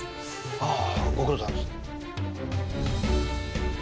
ああご苦労さまです。